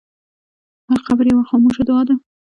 هر قبر یوه خاموشه دعا ده.